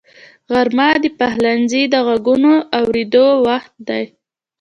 غرمه د پخلنځي غږونو اورېدو وخت دی